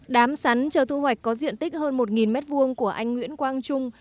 đám sắn chờ thu hoạch có diện tích hơn một m hai của anh nguyễn quang trung